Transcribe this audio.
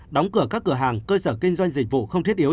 đóng cửa các cửa hàng cơ sở kinh doanh dịch vụ không thiết yếu